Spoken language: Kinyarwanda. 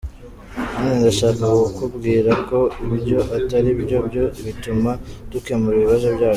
Kandi ndashaka kukubwira ko ibyo atari byo byo bituma dukemura ibibazo byacu.